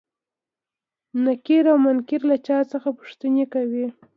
نکير او منکر له چا څخه پوښتنې کوي؟